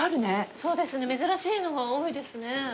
そうですね珍しいのが多いですね。